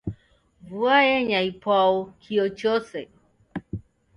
Vua yenya ipwau, kio chose